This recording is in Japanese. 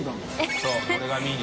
そうこれがミニ。